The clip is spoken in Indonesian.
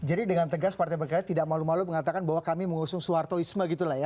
jadi dengan tegas partai berkarya tidak malu malu mengatakan bahwa kami mengusung suhartoisme gitu lah ya